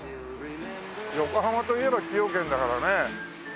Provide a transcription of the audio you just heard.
横浜といえば崎陽軒だからね。